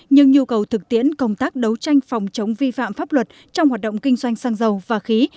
nhưng nhu cầu thực tiễn công tác đấu tranh phòng chống vi phạm pháp luật trong hoạt động kinh doanh xăng dầu và khí